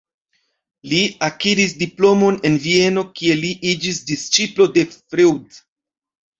Li akiris diplomon en Vieno, kie li iĝis disĉiplo de Freud.